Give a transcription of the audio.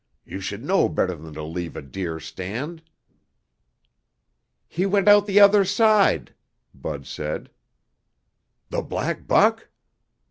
"You should know better than to leave a deer stand." "He went out the other side!" Bud said. "The black buck?"